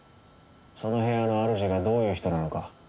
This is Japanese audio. その部屋の主がどういう人なのか